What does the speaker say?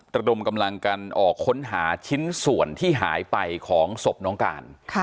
ระดมกำลังกันออกค้นหาชิ้นส่วนที่หายไปของศพน้องการ